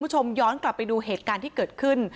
คุณผู้ชมย้อนกลับไปดูเหตุการณ์ที่เกิดขึ้น